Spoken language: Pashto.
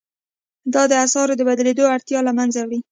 دا د اسعارو د بدلولو اړتیا له مینځه وړي.